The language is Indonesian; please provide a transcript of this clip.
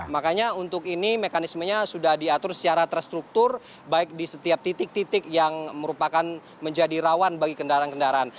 makanya untuk ini mekanismenya sudah diatur secara terstruktur baik di setiap titik titik yang merupakan menjadi rawan bagi kendaraan kendaraan